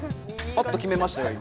パッと決めましたよ